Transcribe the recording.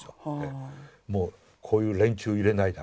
もうこういう連中を入れないために。